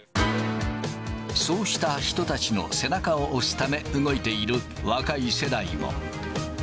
そうした人たちの背中を押すため、動いている若い世代も。